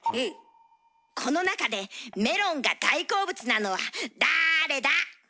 この中でメロンが大好物なのはだれだ？